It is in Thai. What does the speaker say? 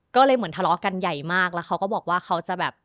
ก็เลยเหมือนทะเลาะกันใหญ่มากแล้วเขาก็บอกว่าเขาจะแบบ